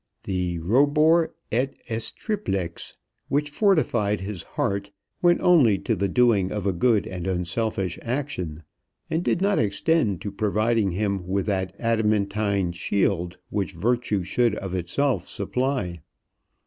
The "robur et æs triplex" which fortified his heart went only to the doing of a good and unselfish action, and did not extend to providing him with that adamantine shield which virtue should of itself supply.